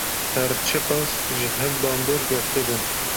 Her çi qas ji hev bandor girtibin.